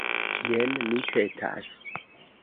Jen, mi petas.